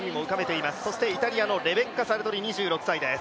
イタリアのレベッカ・サルトリ２６歳です。